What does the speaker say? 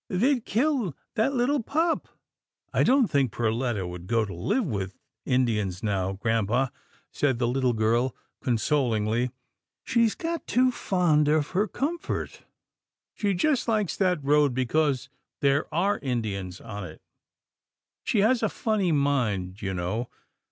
They'd kill that little pup." " I don't think Perletta would go to live with Indians now, grampa," said the little girl consol ingly. " She's got too fond of her comfort. She PURSUIT OF THE GOOSE 179 just likes that road because there are Indians on it. She has a funny mind, you know.